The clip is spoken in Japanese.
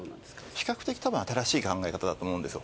比較的たぶん新しい考え方だと思うんですよ。